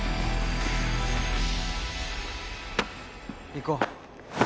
行こう。